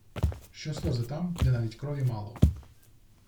Що сльози там, де навіть крові мало!